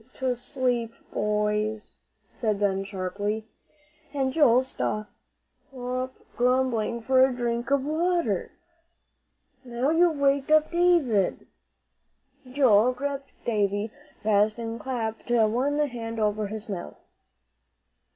"Go to sleep, boys," said Ben, sharply. "And Joe, stop grumbling for a drink of water. Now you've waked up David." Joel gripped Davie fast and clapped one hand over his mouth.